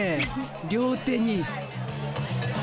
両手に。